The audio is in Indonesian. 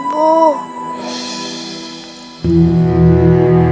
matahari sudah terbenam